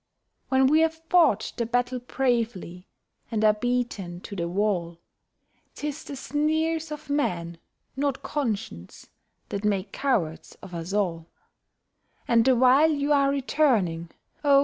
When we've fought the battle bravely and are beaten to the wall, 'Tis the sneers of men, not conscience, that make cowards of us all; And the while you are returning, oh!